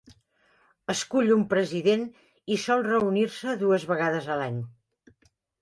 Escull un president i sol reunir-se dues vegades al any.